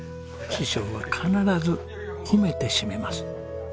師匠は必ず褒めて締めます。